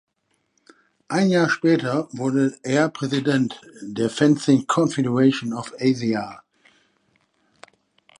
Ein Jahr später wurde er Präsident der Fencing Confederation of Asia.